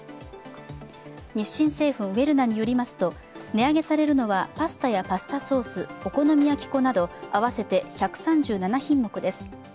日清製粉ウェルナによりますと値上げされるのはパスタやパスタソース、お好み焼き粉など、合わせて１３７品目です。